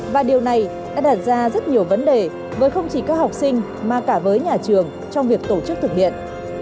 và điều này đã đạt ra rất nhiều vấn đề với không chỉ các học sinh mà cả với nhà trường trong việc tổ chức thực hiện